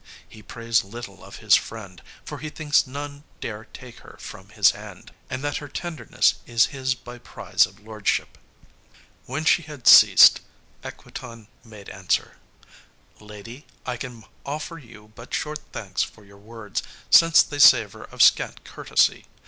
He prays little of his friend, for he thinks none dare take her from his hand, and that her tenderness is his by prize of lordship." When she had ceased, Equitan made answer, "Lady, I can offer you but short thanks for your words, since they savour of scant courtesy.